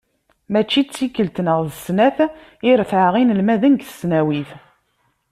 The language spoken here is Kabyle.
Mačči d tikkelt neɣ d snat i retɛeɣ inelmaden deg tesnawit.